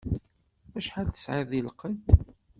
Acḥal tesɛiḍ di lqedd?